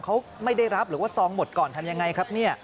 เขาไม่ได้รับหรือว่าซองหมดก่อนทำอย่างไรครับ